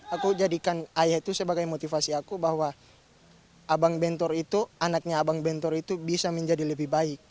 aku jadikan ayah itu sebagai motivasi aku bahwa abang bentor itu anaknya abang bentor itu bisa menjadi lebih baik